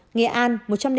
nghệ an một trăm linh sáu